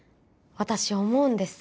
私思うんです